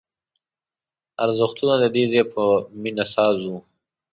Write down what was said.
ارزښتونه د دې ځای په مینه ساز وو